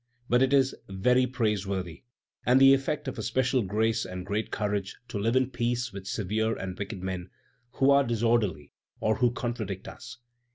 But it is very praiseworthy, and the effect of a special grace and great courage to live in peace with severe and wicked men, who are disorderly, or who contradict us....